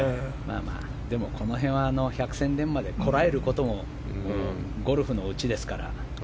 でもこの辺は百戦錬磨でこらえることもゴルフのうちですから。